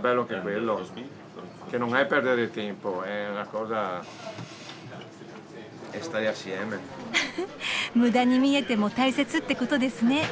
うふっ無駄に見えても大切ってことですね。